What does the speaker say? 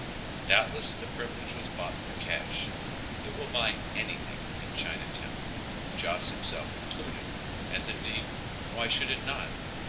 Doubtless the privilege was bought for cash. It will buy anything in Chinatown, Joss himself included, as indeed, why should it not?